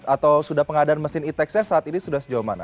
atau sudah pengadaan mesin e tax nya saat ini sudah sejauh mana